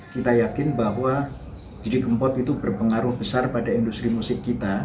kita yakin bahwa didi kempot itu berpengaruh besar pada industri musik kita